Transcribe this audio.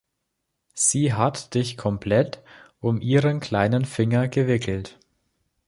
Sie hat dich komplett um ihren kleinen Finger gewickelt.